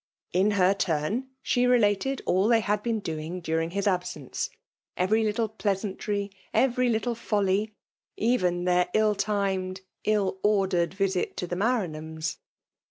In her turn/ shd related all they had been doing during his absence^ — every little pleasantry, — every little fcHy — even their ill timed, ill ordered visit to the Maranhams.